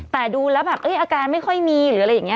แต่ดูแล้วแบบอาการไม่ค่อยมีหรืออะไรอย่างนี้